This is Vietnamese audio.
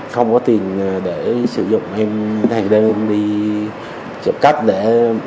không có tiền để sử dụng em hành động đi chụp cắt để